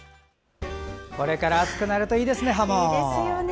これから暑くなるといいですね、ハモ。